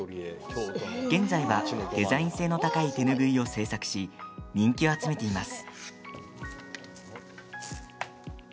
現在はデザイン性の高い手拭いを製作し、人気を集めています。